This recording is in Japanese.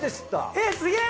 えっすげえ！